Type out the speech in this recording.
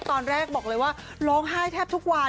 ตอนแรกบอกเลยว่าร้องไห้แทบทุกวัน